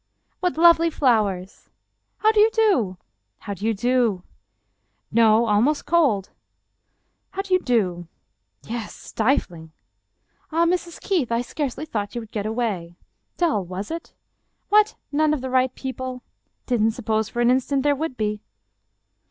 " What lovely flowers !"" How do you do ?"" How do you do ?"" No, almost cold." " How do you do? "" Yes, stifling." " Ah, Mrs. Keith— I scarcely thought you would get away. Dull — was it? What, none of the right people? Didn't suppose for an instant there would be."